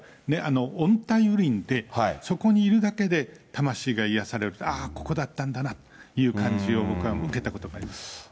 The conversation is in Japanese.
温帯雨林でそこにいるだけで魂が癒やされる、あー、ここだったんだなって感じを僕は受けたことがあります。